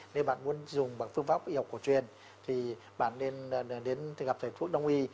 nên bạn muốn dùng bằng phương pháp y học cổ truyền thì bạn nên đến gặp thầy thuốc đông y